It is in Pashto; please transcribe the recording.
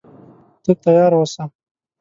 ته تیار اوسه.